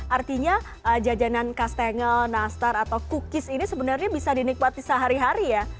artinya jajanan kastengel nastar atau cookies ini sebenarnya bisa dinikmati sehari hari ya